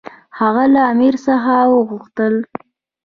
هغه له امیر څخه وغوښتل.